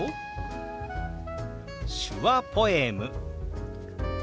「手話ポエム」。